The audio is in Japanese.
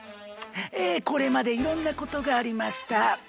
えこれまでいろんなことがありました。